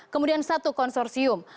kemudian satu konsorsium